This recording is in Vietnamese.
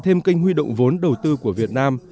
thêm kênh huy động vốn đầu tư của việt nam